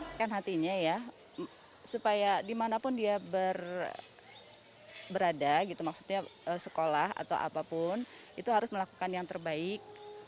saya pikirkan hatinya ya supaya dimanapun dia berada gitu maksudnya sekolah atau apapun itu harus melakukan yang terbaik